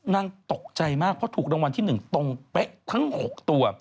นางตกใจมากเพราะถูกรางวัลที่๑ตรงเป๊ะทั้ง๖ตัว